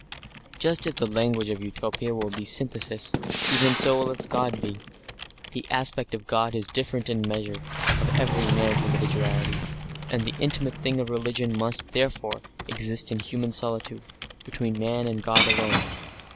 Just as the language of Utopia will be a synthesis, even so will its God be. The aspect of God is different in the measure of every man's individuality, and the intimate thing of religion must, therefore, exist in human solitude, between man and God alone.